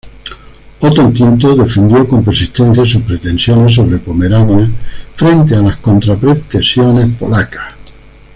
Otón V defendió con persistencia sus pretensiones sobre Pomerania frente a las contra-pretensiones polacas.